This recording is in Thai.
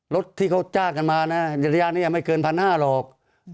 รถที่เขาจ้างกันมานะระยะนี้ไม่เกิน๑๕๐๐หรอก